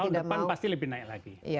tahun depan pasti lebih naik lagi